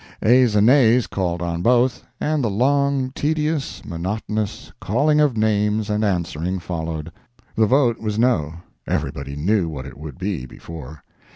Ayes and nays called on both, and the long, tedious, monotonous calling of names and answering followed. The vote was no—everybody knew what it would be before.